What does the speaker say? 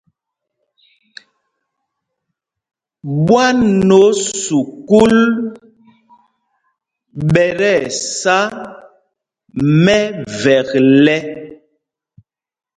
Ɓwán o sukûl ɓɛ tí ɛsá mɛvekle.